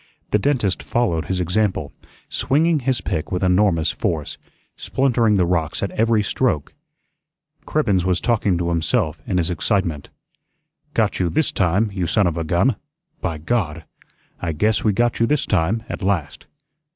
The dentist followed his example, swinging his pick with enormous force, splintering the rocks at every stroke. Cribbens was talking to himself in his excitement. "Got you THIS time, you son of a gun! By God! I guess we got you THIS time, at last.